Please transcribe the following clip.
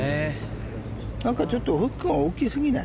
ちょっとフックが大きすぎない？